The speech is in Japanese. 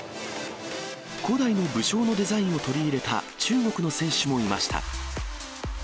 古代の武将のデザインを取り入れた中国の選手もいました。